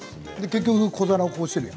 結局小皿をこうしてるよ。